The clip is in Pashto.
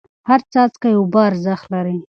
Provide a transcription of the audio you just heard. هر څاڅکی اوبه ارزښت لري.